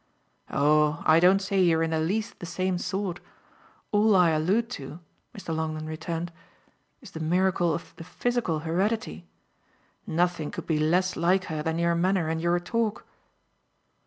"Oh I don't say you're in the least the same sort: all I allude to," Mr. Longdon returned, "is the miracle of the physical heredity. Nothing could be less like her than your manner and your talk."